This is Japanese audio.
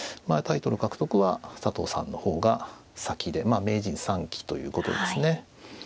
タイトル獲得は佐藤さんの方が先で名人３期ということですね。